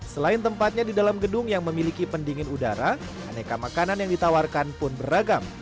selain tempatnya di dalam gedung yang memiliki pendingin udara aneka makanan yang ditawarkan pun beragam